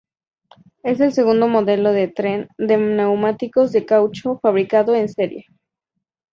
Es el segundo modelo de tren de neumáticos de caucho fabricado en serie.